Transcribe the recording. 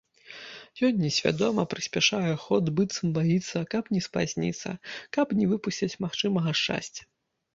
Ён несвядома прыспяшае ход, быццам баіцца, каб не спазніцца, каб не выпусціць магчымага шчасця.